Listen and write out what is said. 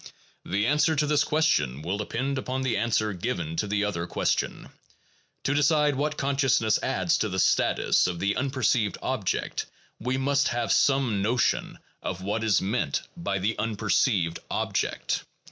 The answer to this question will depend upon the answer given to the other question . To decide what consciousness adds to the status of the unperceived object we must have some notion of what is meant by the unperceived object.